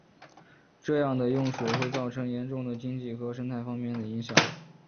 这样的用水会造成严重的经济和生态方面的影响。